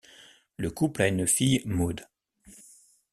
Le couple a une fille Maud.